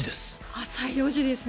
朝４時ですね。